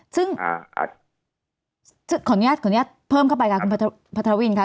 ซึ่งขออนุญาตเพิ่มเข้าไปค่ะคุณพัทรวินค่ะ